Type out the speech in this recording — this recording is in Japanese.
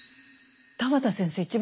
田端先生